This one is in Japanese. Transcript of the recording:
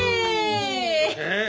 えっ？